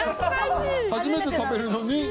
初めて食べるのに。